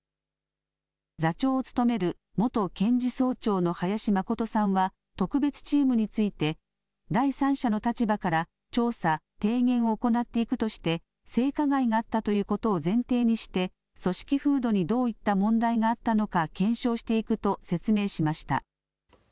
座長を務める元検事総長の林眞琴さんは特別チームについて第三者の立場から調査、提言を行っていくとして性加害があったということを前提にして組織風土にどういった問題があったのか検証していくと説明しました。